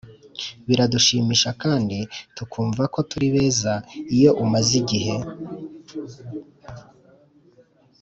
biradushimisha kandi tukumva ko turi beza Iyo umaze igihe